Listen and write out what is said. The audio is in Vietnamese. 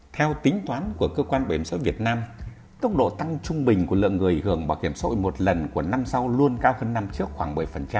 theo tính toán của cơ quan bảo hiểm xã hội việt nam tốc độ tăng trung bình của lượng người hưởng bảo hiểm xã hội một lần của năm sau luôn cao hơn năm trước khoảng bảy